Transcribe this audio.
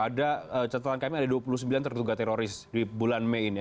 ada catatan kami ada dua puluh sembilan terduga teroris di bulan mei ini